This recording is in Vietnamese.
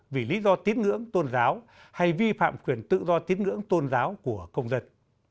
vì lý do tín ngưỡng tôn giáo hay vi phạm quyền tự do tín ngưỡng tôn giáo của công dân